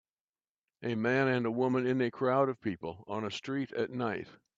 A man and a woman in a crowd of people on a street at night.